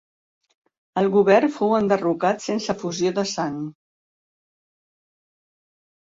El govern fou enderrocat sense efusió de sang.